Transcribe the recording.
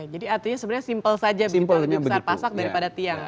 jadi artinya sebenarnya simpel saja kita lebih besar pasak daripada tiang